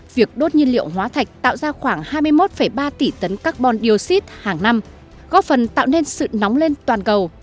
việc đốt nhiên liệu hóa thạch tạo ra khoảng hai mươi một ba tỷ tấn carbon dioxide hàng năm góp phần tạo nên sự nóng lên toàn cầu